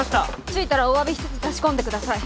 着いたらおわびしつつ差し込んでください。